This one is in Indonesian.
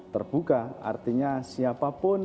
terbuka artinya siapapun